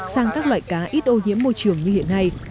sang các loại cá ít ô nhiễm môi trường như hiện nay